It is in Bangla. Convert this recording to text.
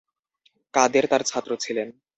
কাদের তাঁর ছাত্র ছিলেন।